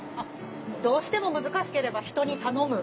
どうしても難しければ人に頼む。